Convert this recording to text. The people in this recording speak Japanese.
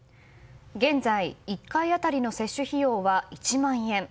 現在１回当たりの接種費用は１万円。